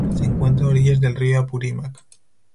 Se encuentra a orillas del río Apurímac.